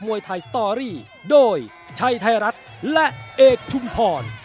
สวัสดีครับ